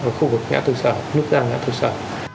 ở khu vực ngã tư sở nước gian ngã tư sở